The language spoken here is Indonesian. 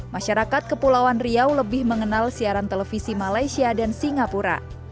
masyarakat kepulauan riau lebih mengenal siaran televisi malaysia dan singapura